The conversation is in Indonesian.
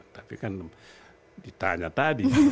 tapi kan ditanya tadi